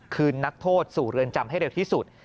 นักโทษสู่เรือนจำให้เร็วที่สุด